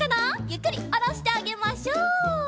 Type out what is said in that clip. ゆっくりおろしてあげましょう。